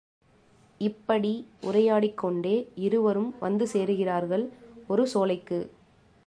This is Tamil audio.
இப்படி உரையாடிக் கொண்டே இருவரும் வந்து சேருகிறார்கள் ஒரு சோலைக்கு.